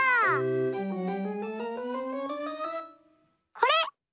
これ！